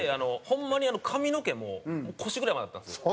ホンマに髪の毛も腰ぐらいまであったんですよ。